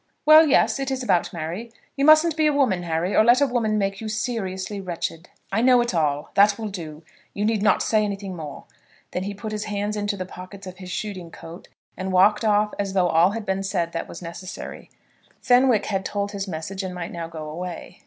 "Well, yes; it is about Mary. You mustn't be a woman, Harry, or let a woman make you seriously wretched." "I know it all. That will do. You need not say anything more." Then he put his hands into the pockets of his shooting coat, and walked off as though all had been said that was necessary. Fenwick had told his message and might now go away.